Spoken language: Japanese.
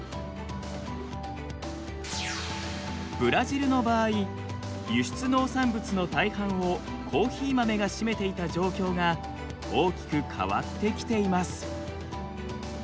ブラジルの場合輸出農産物の大半をコーヒー豆が占めていた状況が大きく変わってきています。